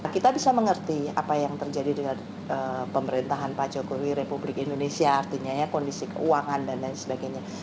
kita bisa mengerti apa yang terjadi dengan pemerintahan pak jokowi republik indonesia artinya ya kondisi keuangan dan lain sebagainya